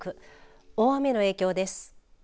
大雨の影響です。